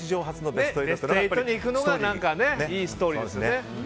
ベスト８に行くのがいいストーリーですね。